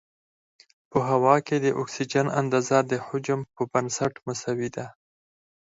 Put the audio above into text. په هوا کې د اکسیجن اندازه د حجم په بنسټ مساوي ده.